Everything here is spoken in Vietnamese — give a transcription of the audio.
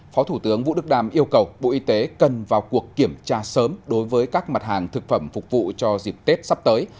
phó thủ tướng vũ đức đam yêu cầu bộ y tế cần vào cuộc kiểm tra sớm đối với các mặt hàng thực phẩm phục vụ cho dịp tết sắp tới